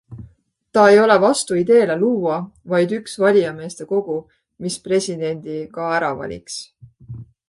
Ta ei ole vastu ideele luua vaid üks valijameeste kogu, mis presidendi ka ära valiks.